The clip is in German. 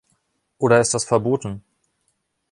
Oder ist das verboten?